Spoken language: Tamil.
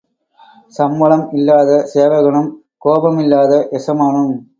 சம்பளம் இல்லாத சேவகனும், கோபமில்லாத எசமானும்.